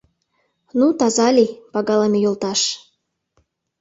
Ну, таза лий, пагалыме йолташ!